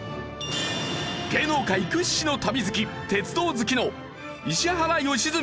芸能界屈指の旅好き鉄道好きの石原良純